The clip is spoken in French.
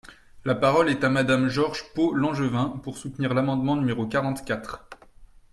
La parole est à Madame George Pau-Langevin, pour soutenir l’amendement numéro quarante-quatre.